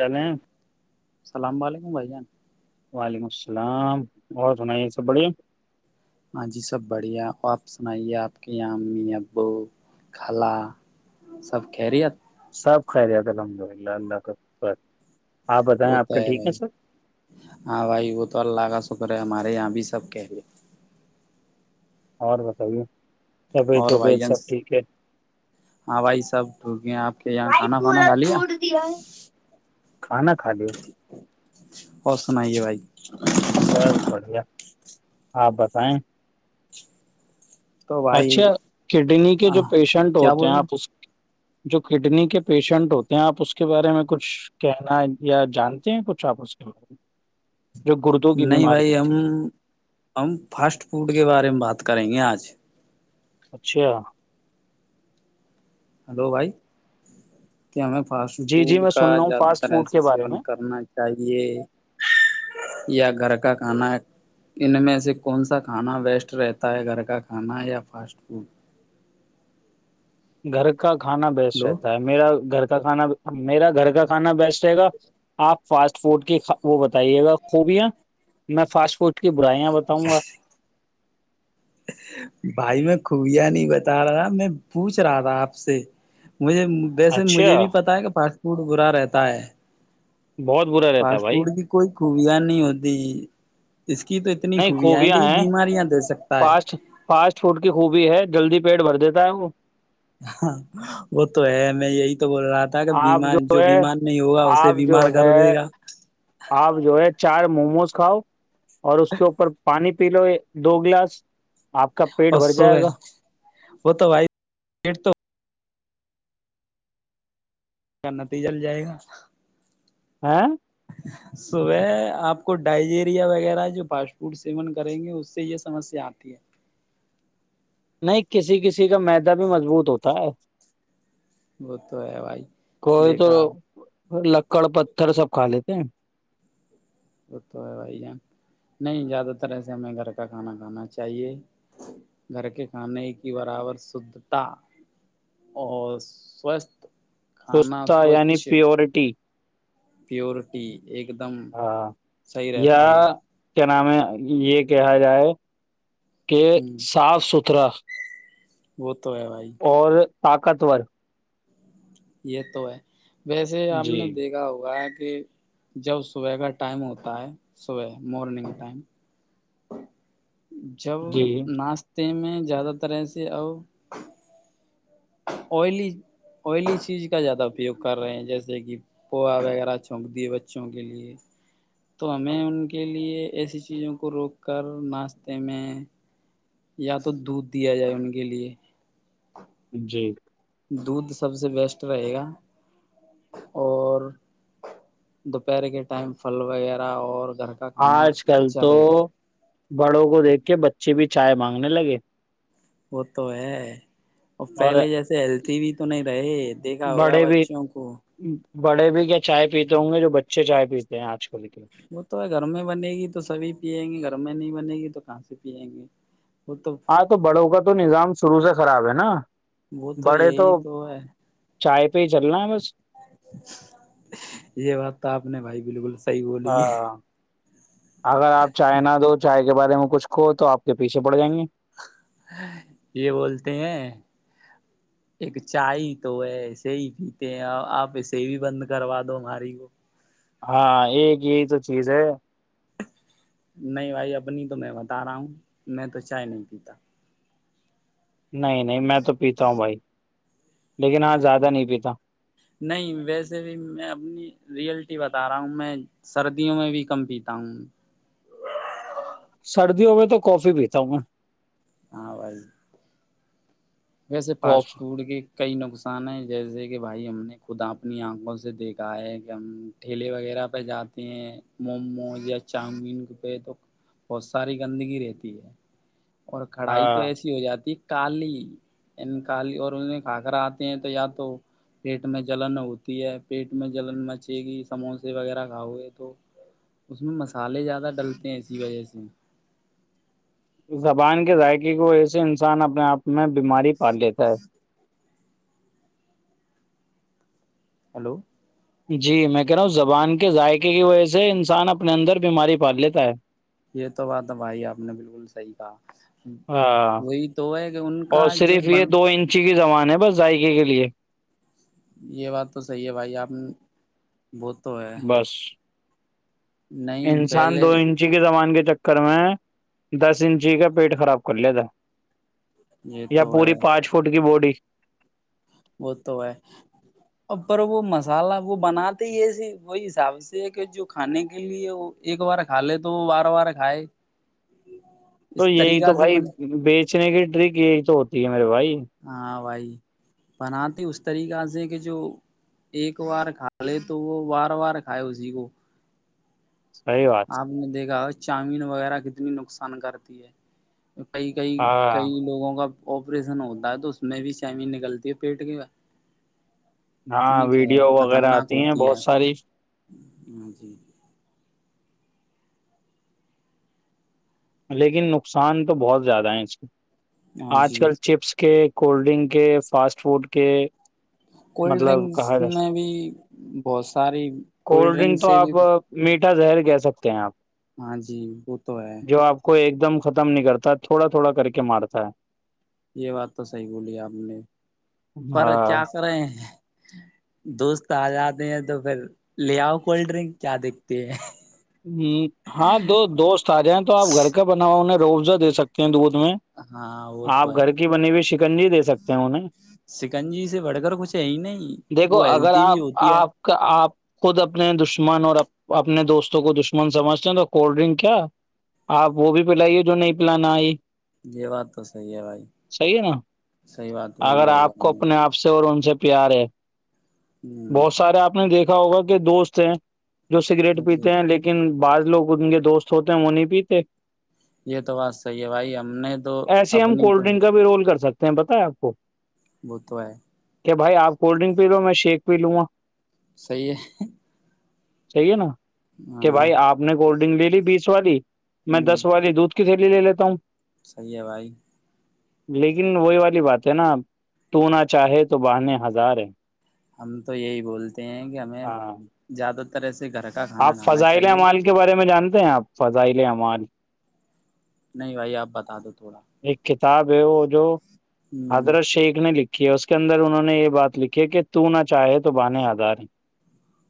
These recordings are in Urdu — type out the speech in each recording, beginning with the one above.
ہیلو السلام علیکم بھائی جان [unintelligible] وعلیکم السلام اور سنائی یہ سب بڑییا [unintelligible] ہاں جی سب بڑھیا اور آپ سنائیے آپ کے یہاں امی ابو کلا سب کہہ رہی آپ سب خریت الحمد للہ اللہ کا [unintelligible] بتائیں وہ آپ تو کے ہے ٹھیک بھائی سب ہاں بھائی وہ تو اللہ کا شکر ہے ہمارا یہ بھی سب کہے [unintelligible] اور بتائیے طبیعت اور بھائی وبیعت جان سب ٹھیک ہے ہاں بھائی سب وکے آپ کے یہاں کھانا پانا کھا لیا کھانا کھا ل اور سنے بھائی بس بڑھیا آپ بتائیں تو اچھا بھائی کڈنی کے جو آہ، پیشنٹ کیا ہوتے ہیں بول آپ اس جو کڈنی کے پیشنٹ ہوتے ہیں آپ اس کے بارے میں کچھ کہنا یا جانتے ہیں کچھ آپ اس کے بارے میں جو گردوں کی نہیں بیماری بھائی ہم ہوتی ہے ہم فاسٹ فوڈ کے بارے میں بات کر کریں گے آج [unintelligible] اچھا ہلو بھائی [unintelligible] کیا ہمیں فاسٹ جی جی فوڈ میں کا سن رہا ہوں زیادہ فاسٹ طرح فوڈ کے سے بارے سیون میں کرنا چاہیے یا [unintelligible] گھر کا کھانا ہے ان میں سے کون سا کھانا ویسٹ رہتا ہے گھر کا کھانا ہے یا فاسٹ فوڈ [unintelligible] گھر کا کھا بیسٹ ہلو رہتا ہے میرا گھر کا کانا بھی [unintelligible] میرا گھر کا کھانا بیسٹ رہے گا آپ فاسٹ فوڈ کی وہ بتائیے گا خوبیاں میں فاسٹ فوڈ کی برائیاں بتاؤں گا [unintelligible] بھائی میں خوبیا نہیں بتا رہا میں پوچھ رہا تھا آپ سے مجھے ویسے اچھا مجھے بھی پتا ہے کہ پاس [unintelligible] پوڑ برا رہتا ہے [unintelligible] بہت برا رہتا ہے فاسٹ بھائی فوڈ کی کوئی خوبیا نہیں ہوتی جی نہیں خوبیاں ہیں بیماریاں دے سکتا ہے فاسٹ فاسٹ فوڈ کی خوبی ہے جلدی بھی پیٹ بھر دیتا ہے وہ [unintelligible] ہاں وہ تو ہے میں یہی [unintelligible] تو بول رہا تھا کہ آپ بیمار جو ہے بیمار نہیں ہوگا اسے آپ جو بیمار کر ہے دے گا [unintelligible] چ کاؤ [unintelligible] اور اس کے اوپر پانی پیلو دو گلاس آپ کا پیٹ اور بھر صوب جائے ہے گا وہ تو و پ تو اس کا نتیجہ جائے گا ہاں صبح آپ کو ڈائجیریا وغیرہ جو فاسٹ فوڈ سیون کریں گے اس سے یہ سمسیا آتی ہے نہیں کسی کسی کا میدہ بھی مضبوط ہوتا ہے وہ تو ہے بھائی کوئی تو دیکھا لکڑ پتھر سب کھا لیتے ہیں وہ تو ہے بھائی جان نہیں زیادہ تر ای سے ہمیں گھر کا کھانا کھانا چاہیے گھر کے کھانے کی برابر شھتا اور سوستھ کھانا سستتا یعنی سوچھ پیورٹی پیورٹی ایک دم ہاں صحیح یا رہتا ہے کیا نام ہے یہ کہا جائے کہ صاف ستھرا بت [unintelligible] تو ہے بھائی اور طاقتور یہ تو ہے ویسے آپ جی نے دیکھا ہوگا کہ جب صبح کا ٹائم ہوتا ہے صبح مارننگ ٹائم جب جی ناس تے میں زیادہ ترح سے ا آئلی آئلی چیز کا زیادہ اپیوگ کر رہے ہیں جیسے کہ پوہا وغیرہ چونک دیے بچوں کے لیے تو ہمیں ان کے لیے ایسی چیزوں کو روک کر ناشتے میں یا تو دودھ دیا جائے ان کے لیے جی دودھ سب سے بیسٹ رہے گا اور دوپہر کے ٹائم پھل وغیرہ اور گھر کا کھانا آج کل اچھا تو رہے گا بڑوں کو دیکھ کے بچ اے بھی چائے مانگنے لگے وہ تو ہے اور پہلے جیسے ہیل ٹی و تو نہیں رہے دیکھا ہوگا بڑے بھی بچوں کو بڑے بھی کیا چائے پیتے ہوں گے جو بچے چائے پیتے ہیں آج کل کے وہ تو ہے گھر میں بنے گی تو سبھی پییں گے گھر میں نہیں بنے گی تو کہاں سے پیئیں گے ہاں تو بڑوں کا تو نظام شروع سے خراب ہے نا نہ ن وہ تو یہی تو ہے چائے پہ چلنا بس یہ بات تو آپ نے بھائی بالکل صحی بولی ہے ہاں اگر آپ چائے نہ دو چاہے بارے میں کچھو تو آ کے پیچھے پڑ جائیں گے یہ بولتے ہیں ایک چائے تو ہے ایسے ہی پیتے ہیں آپ ایسے بھی بند کروا دو ہماری کو ہاں ایک یہی تو چیز ہے نہیں بھائی اپنی تو میں بتا رہا ہوں میں تو چائے نہیں پیتا نہیں نہیں میں تو پیتا ہوں بھائی لیکن ہاں زیادہ نہیں پیتا نہیں ویسے بھی میں اپنی ریئلٹی بتا رہا ہوں میں سردیوں میں بھی کم پیتا ہوں سردیوں میں تو کافی پیتا ہوں میں ہاں بائی ویسے فاسٹ کاف فوڈ کی کئی نقصان ہے جیسے کہ بھائی ہم نے خودا اپنی آنکھوں سے دیکھا ہے کہ ہم ٹھیلے وغیرہ پہ جاتے ہیں موموز یا چاؤمین پہ تو بہت ساری گندگی رہتی ہے اور کھڑھائی تو ہاں ایسی ہو جاتی کالی کالی اور ان میں کھااکرا آتے ہیں تو یا تو پیٹ میں جلن ہوتی ہے پیٹ میں جلن مچے گی سموسے وغیرہ کھاؤئے تو اس میں مسالے زیادہ ڈلتے ہیں اسی وجہ سے زبان کے ذائقے کو ایسے انسان اپنے آپ میں بیماری پار دیتا ہے ہلو جی میں کہہ رہا ہوں زبان کے ذائقے کی وجہ سے انسان اپنے اندر بیماری پال لیتا ہے یہ تو بات ہے بھائی آپ نے بالکل صحی کہا ہاں وہی تو ہے کہ ان اور کا جو صرف یہ بن دو انچی کی زبان بس ذائقے کے لیے یہ بات تو صحیح ہے بھائی آپ نے بہ تو ہے بس نہیں انسان دو پہلے انچی کے زمان کے چکر میں دس انچی کا پیٹ خراب کر لتا یہ یا تو ہے پوری پانچ فٹ کی بوڈی [inaudible] وہ تو ہے پر وہ مسالہ وہ بناتے ہی ایسے وہی حساب سے کہ جو کھانے کے لیے وہ ایک بار کھا لے تو وہ بار بار کھائے تو اس یہی تو طریقہ سے بھائی بنے بیچنے کی ٹرک یہی تو ہوتی ہے میرے بھائی ہاں بھائی بناتے اس طریقہ سے کہ جو ایک بار کھا لے تو وہ بار وار کھائے اسی کو صحیح بات آپ نے دیکھا ہو چامین وغیرہ کتنی نقصان کرتی ہے کئی کئی ہاں کئی لوگوں کا آپریشن ہوتا ہے تو اس میں بھی شیمی نکلتی ہے پیٹ کے ہاں ویڈیو وغیرہ آتی ہیں بہت ساری م جی [unintelligible] لیکن نقصان تو بہت زیادہ ہیں اس کے ہاں آج جی کل چپس کے کولڈ ڈرنک کے فاسٹ فوڈ کے کولڈ مطلب ڈرنکس کہا جائے میں بھی بہت ساری کولڈ ڈرنک سے بھی اھا زظہر کہہ سکتے ہیں آپ ہاں جی ب جو آپ کو ایک م ختم نہیں کرتا تھوڑا تھوڑا کر کے مارتا ہے یہ بات تو صحیح بولی آپ نے ہے پر ہاں کیا کرے ہیں دوست آ جاتے ہیں تو پھر لے آؤ کولڈ ڈرنک کیا دیکھتے ہیں ہ ہاں دو دوست آ جائیں تو آپ گھر کا بنا ہوا انہیں قوضاے سکتے ہیں تو وہ تو ہاں وہ تو آپ ہے گھر کی بنی ہوئی شکنجی دے سکتے ہیں انہیں سکنجی سے بڑھ کر کچھ ہے ہی نہیں دیکھو وہ اگر ہیلدی بھی آپ ہوتی ہے آپ کا آپ خود اپنے دشمن اور اپنے دوست اس کو دشمن سمجھتے ہیں تو کولڈ ڈرنک کیا آپ وہ بھی پلائیے جو نہیں پلانا آئی یہ بات تو سی ہے بھائی صحیح ہے نا سی بات بلی بھائی آ نے ج سے پیار ہے [unintelligible] بہت سارے آپ نے دیکھ [unintelligible] دا ہوگا کہ دوست ہیں [unintelligible] جو سگریٹ ہ جی پیتا [unintelligible] [unintelligible] لیکن بعض لوگ ان کے دوست ہوتے ہیں وہ نہیں پیتے [unintelligible] یہ تو بات صحیح ہے بھائی ہم نے تو ایسے ہم اپنی تو کولڈ ڈرنک کا بھی رول کر سکتے ہیں بتائے آپ کو بت ہے [unintelligible] کیا بھائی آ کولڈ ڈرنک پی لو م میں شیک پی لوں گا صیح ہے [unintelligible] چاہیے نا [unintelligible] کہ ہاں بھائی آپ نے کوولڈ [unintelligible] [unintelligible] ر لیلی بیس والی [unintelligible] [unintelligible] میں دس والی دودھ [unintelligible] کسی لے لے لیتا ہوں [unintelligible] صیح ہے بھائی [unintelligible] [unintelligible] لیکن وہی والی بات ہے نا تو نہ چاہے تو بہے ہزار ہے [unintelligible] [unintelligible] ہم تو یہی بولتے ہیں کہ ہمیں ہاں زیادہ [unintelligible] [unintelligible] طرح سے [unintelligible] [unintelligible] آپ فضائل اعمال کے بارے میں جانتے [unintelligible] [unintelligible] ہیں آپ فضائل امان [unintelligible] [unintelligible] نہیں بھائی آپ بتا دو [unintelligible] ایک [unintelligible] [unintelligible] صحب ہو ہو جوو [unintelligible] [unintelligible] ہ حضرت شیخ نے لکھی [unintelligible] [unintelligible] اس کے اندر انہوں نے یہ بات لکھی کہ تو نہ [unintelligible] [unintelligible] چاہے تو بانے آدار ہیں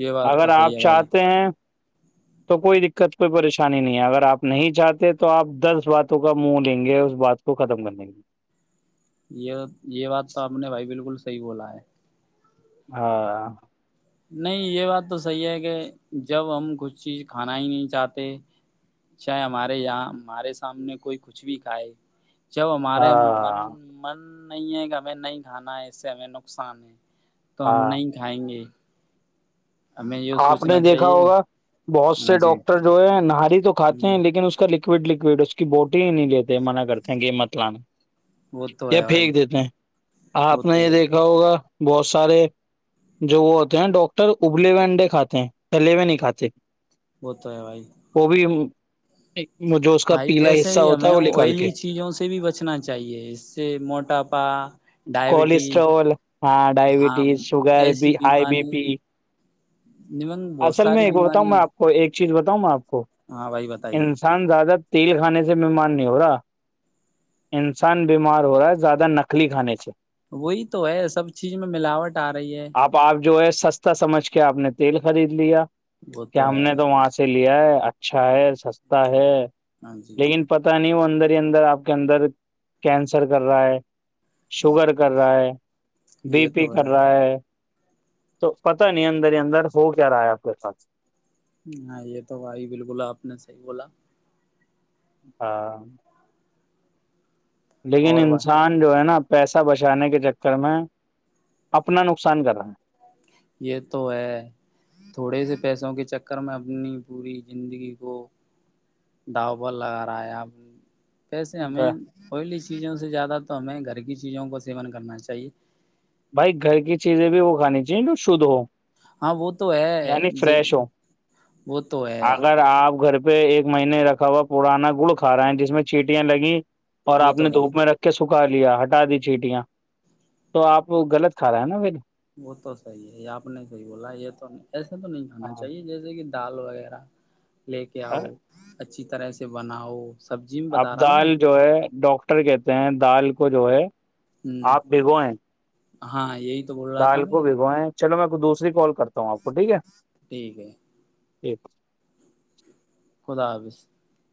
یہ بات اگر تو صحیح آپ ہے بھائی چاہتے ہیں [unintelligible] [unintelligible] تو کوئی دقت کوئی پریشانی نہیں ہے اگر آپ نہیں چاہتے تو آپ دس باتوں کا منہ لیں گے اس [unintelligible] [unintelligible] بات کو ختم کرنے کی [unintelligible] [unintelligible] یہ یہ بات تو آپ نے بھائی بالکل صحی بولا ہے [unintelligible] ہاں [unintelligible] [unintelligible] نہیں یہ بات تو صحیح ہے کہ جب ہم کچھ چیز کھانا ہی نہیں چاہتے چاہے ہمارے یہاں ہمارے سامنے کوئی کچھ بھی کھائے [unintelligible] [unintelligible] جب ہمارے من ہاں من [unintelligible] نہیں ہے کہ ہمیں نہیں کھانا ہے اس سے ہمیں نقصان ہے [unintelligible] تو ہم ہاں نہیں کھائیں گے [unintelligible] ہمیں یہ آپ نے سوچنا دیکھا چاہیے ہوگا بہت ہاں سے جی ڈاکٹر جو ہے نہاری تو [unintelligible] کاتے ہ ہیں لیکن اس کا [unintelligible] لکوڈ لکوئڈ اس کی بوٹل [unintelligible] [unintelligible] نہیں لیتے منع کرتے ہیں گ مت لانا وہ تو یا ہے بھائی پھینک دیتے ہیں وہ آپ نے تو یہ ہے دیکھا ہوگا [unintelligible] [unintelligible] بہت سارے جو وہ ہوتے ہیںا ڈاکٹر ابلی وینڈے [unintelligible] [unintelligible] کھاتے ہیں پہلے ہو نہیں کاتے [unintelligible] [unintelligible] وہ تو ہے بھائی [unintelligible] ٹھیک [unintelligible] [unintelligible] بھائی ویسے ہی ہمیں آئلی کے چیزوں سے بھی بچنا چاہیے اس سے موٹاپا ڈائبٹیز کولیسٹرول ہاں ہاں ڈائبٹیز شوگر ایسی بھی ہائی بی بیماری پی [unintelligible] [unintelligible] بہت اصل ساری میں بتاؤں بیماری میں آپ کو ایک [unintelligible] [unintelligible] چیز بتاؤں میں آپ ہاں بھائی [unintelligible] بتائیے انسان زیادہ تیل کھانے سے ممان [unintelligible] [unintelligible] ہو رہا انسان بیمار ہو رہا ہے زیادہ نکلی کھانے سے [unintelligible] [unintelligible] وہی تو ہے سب چیز میں ملاوٹ آ رہی ہے [unintelligible] کیا آ نے [unintelligible] [unintelligible] تیل خرید لیا وہ [unintelligible] کیا ہم ہے نے تو وہاں سے لیا ہے اچھا ہے سستا ہے ہاں جی لیکن پتا نہیں وہ اندر ہی اندر آپ کے اندر کینسر کر رہا ہے [unintelligible] شوگر کر رہا ہے [unintelligible] بی یہ پی تو کر رہا ہے [unintelligible] تو پتا نہیں اندر ہی اندر ہو کیا رہا ہے آپ کے پاھ [unintelligible] ہاں یہ تو بھائی بالکل آپ نے صحی بولا ہاں [unintelligible] لیکن اور و انسان جو ہے نا [unintelligible] پیسہ بچانے کے چکر میں اپنا نقصان کر رہا ہے [unintelligible] یہ تو ہے تھوڑے سے پیسوں کے چکر میں اپنی پوری زندگی کو ڈاو پر لگا رہا ہے [unintelligible] پیسے ہمیں ہے ہوئی لی [unintelligible] چیزوں سے زیادہ تو ہمیں گھر کی چیزوں کا سیون کرنا چاہیے [unintelligible] بھائی گھر کی چیزیں بھی وہ کھانی چاہیے جو شدھ ہو [unintelligible] ہاں وہ تو ہے یعنی ج فریش ہو وہ تو ہے [unintelligible] اگر آپ گھر پہ ایک مہینے رکھا ہوا پرانا گڑ کھا رہا ہے جس میں چھیٹیاں لگی [unintelligible] اور وہ آپ تو نے دھوپ غلط میں رکھ کے س [unintelligible] لیا ہٹا دی چیٹیاں تو آپ [unintelligible] وہ غط کھا ہےا پلے [unintelligible] وہ تو صحیح ہے آپ نے صحی بولا یہ تو نہیں [unintelligible] ایسا تو نہیں ہونا ہاں چاہیے جیسے کہ [unintelligible] دال وغیرہ [unintelligible] لے کے آؤچ [unintelligible] اچھی طرح سے بناؤ [unintelligible] اب بتا رہا ہوں میں دال جو ہے ڈاکٹر کہتے ہیں دال [unintelligible] کو جو ہے [unintelligible] ہوں آپ بگو ہیں [unintelligible] ہاں یہی [unintelligible] تھا دال میں کو بھگویں [unintelligible] چلو میں کو دوسری کال کرتا ہوں آپ کو ٹھیک ہے [unintelligible] ٹھیک ہے [unintelligible] ایک [unintelligible] خدا حافظ [unintelligible]